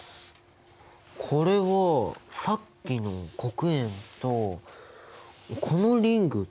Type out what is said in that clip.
これはさっきの黒鉛とこのリングダイヤモンド？